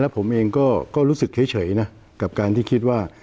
ผมเองก็รู้สึกเฉยนะกับการที่คิดว่า